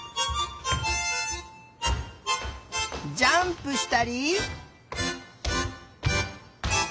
ジャンプしたり。